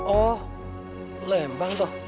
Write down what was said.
oh lembang toh